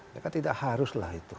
ya kan tidak haruslah itu